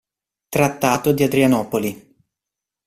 Trattato di Adrianopoli